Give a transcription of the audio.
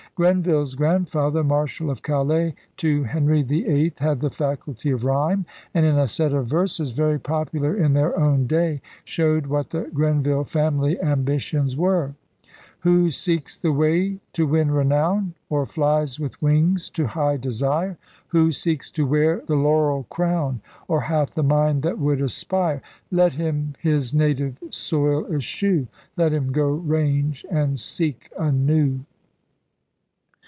Grenville's grandfather. Marshal of Calais to Henry VIII, had the faculty of rhyme, and, in a set of verses 196 ELIZABETHAN SEA DOGS very popular in their own day, showed what the Grenville family ambitions were. Who seeks the way to win renown, Or flies with wings to high desire. Who seeks to wear the laurel crown, Or hath the mind that would aspire — Let him his native soil eschew, Let him go range and seek a new.